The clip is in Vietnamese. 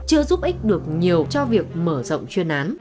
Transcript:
chưa giúp ích được nhiều cho việc mở rộng chuyên án